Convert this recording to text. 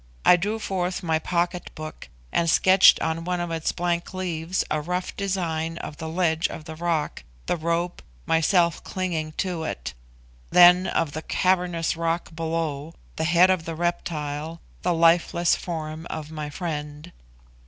I drew forth my pocket book, and sketched on one of its blank leaves a rough design of the ledge of the rock, the rope, myself clinging to it; then of the cavernous rock below, the head of the reptile, the lifeless form of my friend.